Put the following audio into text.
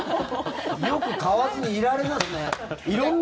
よく買わずにいられますね。